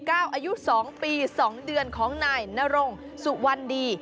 อายุ๒ปี๒เดือนของในนร่งสุวันดี